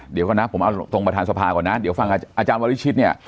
เดี๋ยวก่อนนะผมเอาตรงประธานสภาก่อนนะเดี๋ยวฟังอาจารย์วริชิตเนี่ย